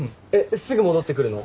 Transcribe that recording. すぐ戻ってくるの？